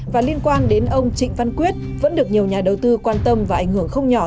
và liên quan đến ông trịnh văn quyết vẫn được nhiều nhà đầu tư quan tâm và ảnh hưởng không nhỏ